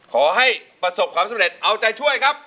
ขอให้ประสบความสำเร็จเอาใจช่วยครับ